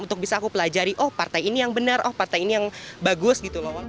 untuk bisa aku pelajari oh partai ini yang benar oh partai ini yang bagus gitu loh